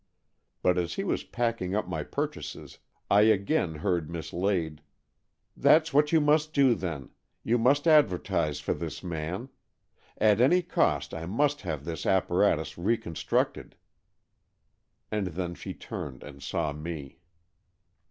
But as he was packing up my purchases, I again heard Miss Lade — "That's what you must do, then. You must advertise for this man. At any cost I must have this apparatus reconstructed." And then she turned and saw me.